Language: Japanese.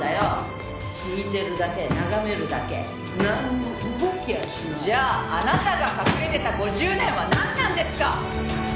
「聞いてるだけ眺めるだけなんも動きゃしない」「じゃああなたが隠れてた５０年はなんなんですか！」